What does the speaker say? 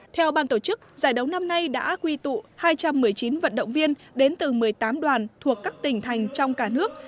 theo ban tổ chức giải đấu năm nay đã quy tụ hai trăm một mươi chín vận động viên đến từ một mươi tám đoàn thuộc các tỉnh thành trong cả nước